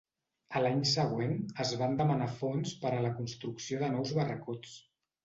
A l'any següent es van demanar fons per a la construcció de nous barracots.